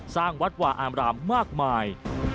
สร้างวัดวาอามรามมากมาย